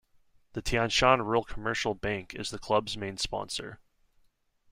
The Tianshan Rural-Commercial Bank is the club's main sponsor.